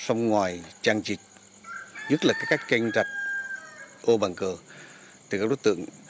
xong ngoài trang trịch nhất là các canh trạch ô bằng cờ từ các đối tượng